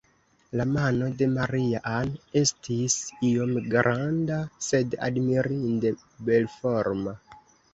La mano de Maria-Ann estis iom granda, sed admirinde belforma.